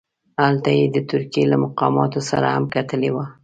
هلته یې د ترکیې له مقاماتو سره هم کتلي وه.